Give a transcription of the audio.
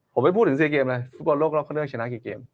ผมไม่พูดซี่เกมเลยนะ